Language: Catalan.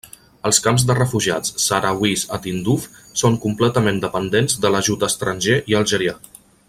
Els camps de refugiats sahrauís a Tindouf són completament dependents de l'ajut estranger i algerià.